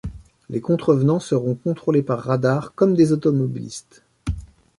Les contrevenants seront contrôlés par radars, comme des automobilistes.